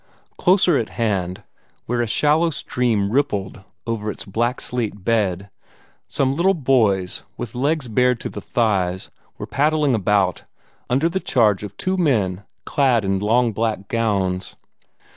Closer at hand, where a shallow stream rippled along over its black slate bed, some little boys, with legs bared to the thighs, were paddling about, under the charge of two men clad in long black gowns.